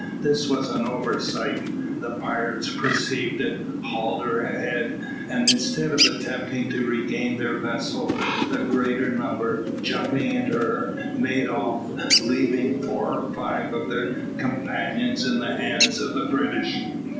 This was an oversight. The pirates perceived it, hauled her ahead, and instead of attempting to regain their vessel, the greater number, jumping into her, made off, leaving four or five of their companions in the hands of the British.